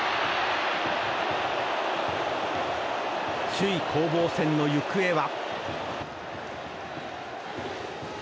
首位攻防戦の行方は。